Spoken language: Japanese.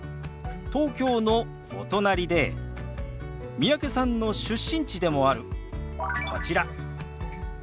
東京のお隣で三宅さんの出身地でもあるこちら。